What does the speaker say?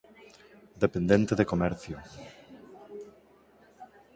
Dependente de comercio.